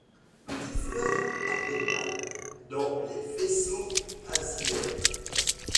Petites fleurs apétales dans les faisceaux axillaires.